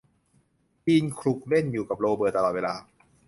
จีนขลุกเล่นอยู่กับโรเบิร์ตตลอดเวลา